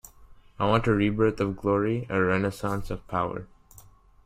I want a rebirth of glory, a renaissance of power.